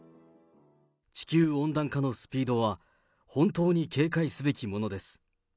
地球温暖化のスピードは本当に警戒すべきものです。